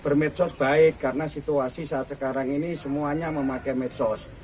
bermedia sosial baik karena situasi saat sekarang ini semuanya memakai media sosial